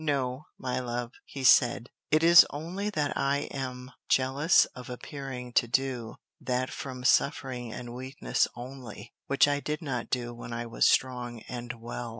"No, my love," he said: "it is only that I am jealous of appearing to do that from suffering and weakness only, which I did not do when I was strong and well.